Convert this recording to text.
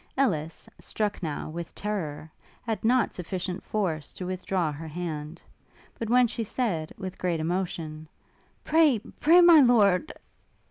Ellis, struck, now, with terrour, had not sufficient force to withdraw her hand; but when she said, with great emotion, 'Pray, pray My Lord!